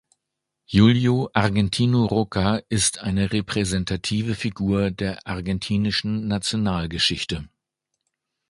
Julio Argentino Roca ist eine repräsentative Figur der argentinischen Nationalgeschichte.